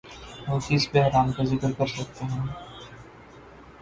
وہ کس بحران کا ذکر کرسکتے ہیں؟